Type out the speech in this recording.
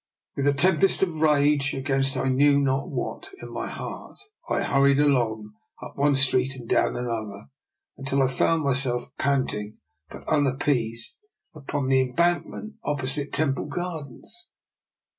With a tempest of rage, against I knew not what, in my heart, I hurried along, up one street and down another, until I found myself panting, but unappeased, upon the Embankment opposite the Temple Gardens.